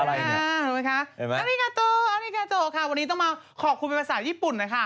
อะไรนี่อาริกาโตวันต้องมาขอบคุณเป็นภาษาญี่ปุ่นนะคะ